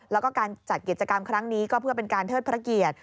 แล้วก็การจัดกิจกรรมครั้งนี้ก็เพื่อเป็นการเทิดพระเกียรติ